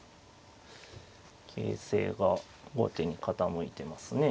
形勢が後手に傾いてますね。